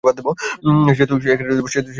সেতু অবরোধ কর!